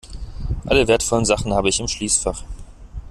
Alle wertvollen Sachen habe ich im Schließfach.